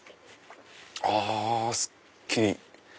あすっきり。